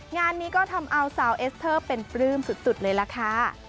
งานนี้ก็ทำเอาสาวเอสเตอร์เป็นปลื้มสุดเลยล่ะค่ะ